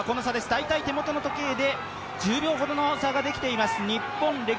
大体手元で１０秒ほどの差ができています。